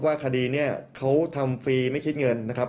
คดีนี้เขาทำฟรีไม่คิดเงินนะครับ